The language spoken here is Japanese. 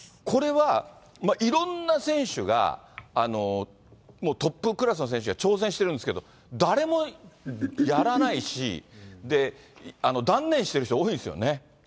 これはいろんな選手が、トップクラスの選手が挑戦してるんですけど、誰もやらないし、断念してる人多いんですよね。